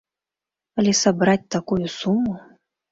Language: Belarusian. Але сабраць такую суму!